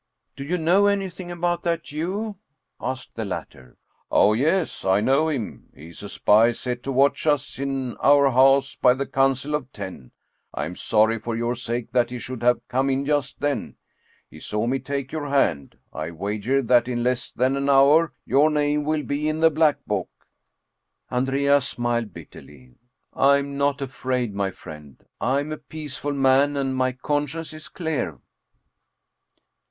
" Do you know any thing about that Jew ?" asked the latter. " Oh, yes, I know him. He is a spy set to watch us in our house by the Council of Ten. I am sorry for your sake that he should have come in just then. He saw me take your hand ; I wager that in less than an hour your name will be in the black book." Andrea smiled bitterly. " I am not afraid, my friend. I am a peaceful man and my conscience is clear."